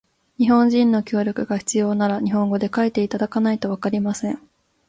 日本人の協力が必要なら、日本語で書いていただかないとわかりません。